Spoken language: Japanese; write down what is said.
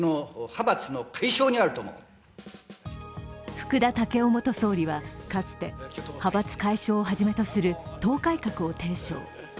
福田赳夫元総理はかつて派閥解消をはじめとする党改革を提唱。